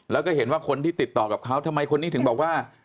แล้วก็เห็นว่าคนที่ติดต่อกับเขาทำไมคนนี้ถึงบอกว่า